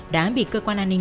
đã bị cơ quan an ninh